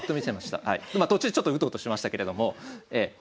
まあ途中ちょっとうとうとしましたけれども。